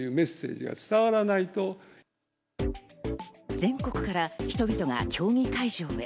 全国から人々が競技会場へ。